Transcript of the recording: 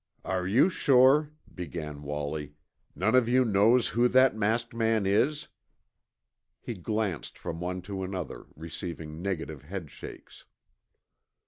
"Are you sure," began Wallie, "none of you knows who that masked man is?" He glanced from one to another, receiving negative headshakes.